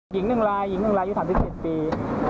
หญิงหนึ่งลายหญิงหนึ่งลายอยู่สามสิบเจ็บปี